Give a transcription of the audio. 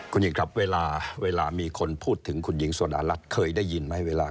คุณหญิงครับเวลาเวลามีคนพูดถึงคุณหญิงสนรัฐเคยได้ยินไหมเวลา